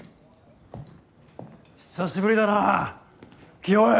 久しぶりだな清恵。